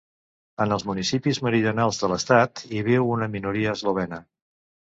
En els municipis meridionals de l'estat hi viu una minoria eslovena.